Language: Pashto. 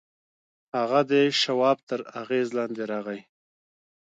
هغه د شواب تر اغېز لاندې راغی